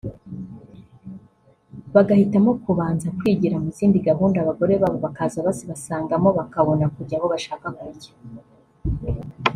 bagahitamo kubanza kwigira mu zindi gahunda abagore babo bakaza bazibasangamo bakabona kujyana aho bashaka kujya